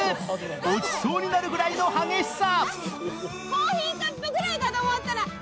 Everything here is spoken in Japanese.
落ちそうになるぐらいの激しさ。